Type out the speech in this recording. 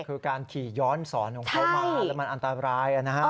คือการขี่ย้อนสอนของเขามาแล้วมันอันตรายนะฮะ